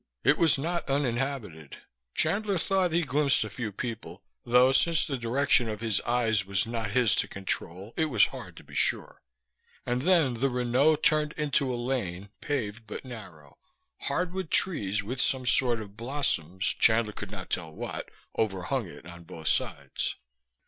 It was not uninhabited. Chandler thought he glimpsed a few people, though since the direction of his eyes was not his to control it was hard to be sure. And then the Renault turned into a lane, paved but narrow. Hardwood trees with some sort of blossoms, Chandler could not tell what, overhung it on both sides.